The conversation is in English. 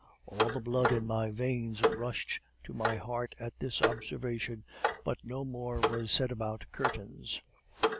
"All the blood in my veins rushed to my heart at this observation, but no more was said about curtains.